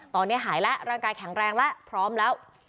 ตอนนี้หายแล้วร่างกายแข็งแรงแล้วพร้อมแล้ว